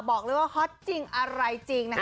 บอกเลยว่าฮอทจริงอะไรจริง